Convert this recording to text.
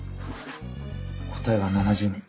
答えは７０人。